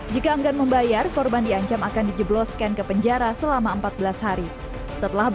jika enggan membayar korban diancam akan dijebloskan ke penjara selama empat belas hari setelah